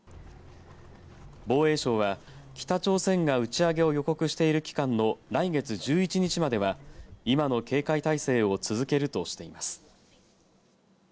防衛省は北朝鮮が打ち上げを予告している期間の来月１１日までは今の警戒態勢を続けるとしています。